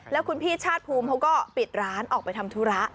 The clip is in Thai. แล้วคุณพี่ชาติภูมิเขาก็ปิดร้านออกไปทำธุระ